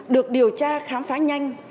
được điều tra khám phá nhanh